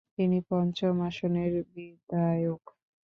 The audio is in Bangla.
তিনি পঞ্চম আসনের বিধায়ক।